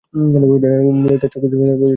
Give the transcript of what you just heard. ললিতা চৌকি টানিয়া টেবিলের কাছে বসিল।